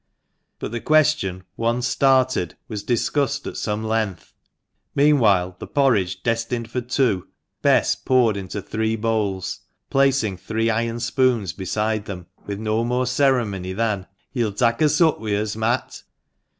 But the question, once started, was discussed at some length. Meanwhile the porridge destined for two Bess poured into three bowls, placing three iron spoons beside them with no more ceremony than, "Ye'll tak' a sup wi' us, Mat."